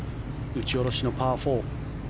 打ち下ろしのパー４。